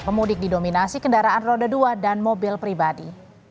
pemudik didominasi kendaraan roda dua dan mobil pribadi